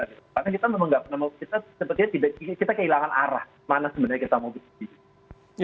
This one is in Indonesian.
karena kita memang tidak pernah kita sepertinya kehilangan arah mana sebenarnya kita mau berpikir